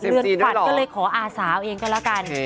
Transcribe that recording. เหลือนขวัดก็เลยขออาสาเอาเองกันแล้วกัน